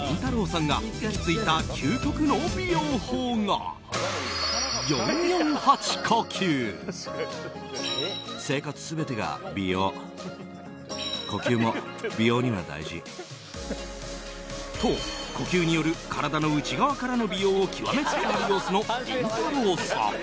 さんが行き着いた究極の美容法が、４４８呼吸。と、呼吸による体の内側からの美容を極めつつある様子のりんたろー。さん。